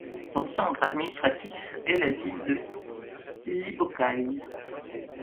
Son centre administratif est la ville de Hlybokaïe.